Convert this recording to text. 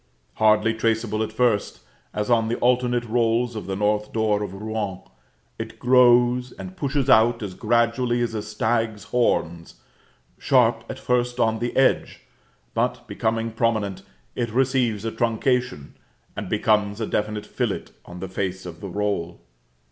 Hardly traceable at first (as on the alternate rolls of the north door of Rouen), it grows and pushes out as gradually as a stag's horns: sharp at first on the edge; but, becoming prominent, it receives a truncation, and becomes a definite fillet on the face of the roll.